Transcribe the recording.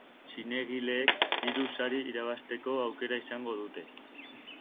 Zinegileek hiru sari irabazteko aukera izango dute.